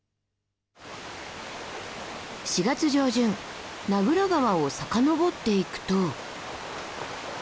４月上旬名蔵川を遡っていくと。